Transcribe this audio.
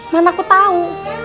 mana aku tahu